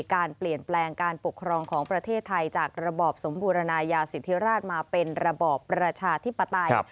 การเปลี่ยนแปลงการปกครองของประเทศไทยจากระบอบสมบูรณายาสิทธิราชมาเป็นระบอบประชาธิปไตย